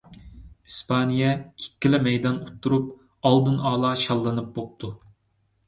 ئىسپانىيە ئىككىلا مەيدان ئۇتتۇرۇپ ئالدىنئالا شاللىنىپ بوپتۇ.